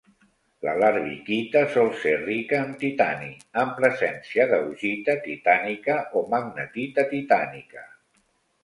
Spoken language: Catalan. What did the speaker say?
La larvikita sol ser rica en titani, amb presència d'augita titànica o magnetita titànica.